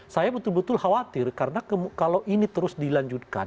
saya betul betul khawatir karena kalau ini terus dilanjutkan